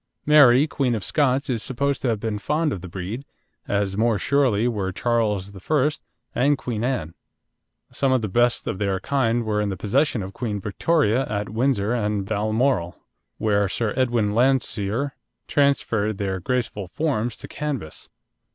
Mary, Queen of Scots is supposed to have been fond of the breed, as more surely were Charles I. and Queen Anne. Some of the best of their kind were in the possession of Queen Victoria at Windsor and Balmoral, where Sir Edwin Landseer transferred their graceful forms to canvas.